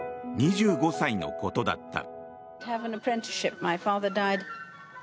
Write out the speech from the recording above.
２５歳のことだった。